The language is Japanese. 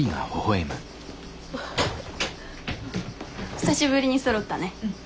久しぶりにそろったね。